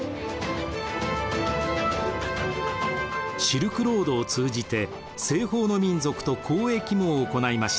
シルクロードを通じて西方の民族と交易も行いました。